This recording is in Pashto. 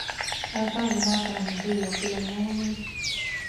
ایا تاسو زما سره نږدې یو فلم ومومئ؟